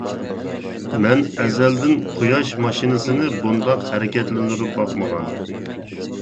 مەن ئەزەلدىن قۇياش ماشىنىسىنى بۇنداق ھەرىكەتلەندۈرۈپ باقمىغان.